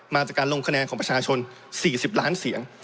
มาจากการลงคะแนนของประชาชน๔๐ล้านเสียง